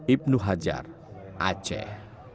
ibnu hajar aceh